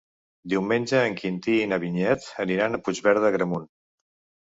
Diumenge en Quintí i na Vinyet aniran a Puigverd d'Agramunt.